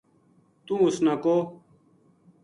توہ اُس نا کہو